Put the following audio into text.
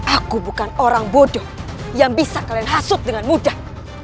aku bukan orang bodoh yang bisa kalian hasut dengan mudah